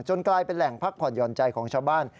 กลายเป็นแหล่งพักผ่อนหย่อนใจของชาวบ้าน